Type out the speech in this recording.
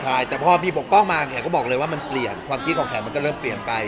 ใช่แต่พอมีปกป้องมาแขกก็บอกเลยว่ามันเปลี่ยนความคิดของแขกมันก็เริ่มเปลี่ยนไป